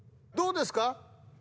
どうですか？